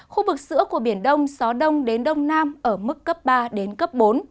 khu vực giữa của biển đông gió đông đến đông nam ở mức cấp ba bốn